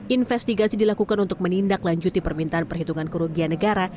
investigasi dilakukan untuk menindaklanjuti permintaan perhitungan kerugian negara